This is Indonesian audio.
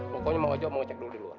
pokoknya mau aja mau cek dulu di luar